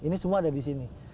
ini semua ada di sini